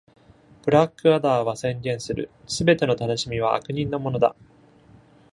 ブラックアダーは宣言する、全ての楽しみは悪人のものだ。